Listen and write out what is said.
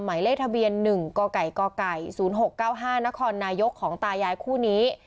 ไหมเลขทะเบียนหนึ่งกไก่กไก่ศูนย์หกเก้าห้านครนายกของตายายคู่นี้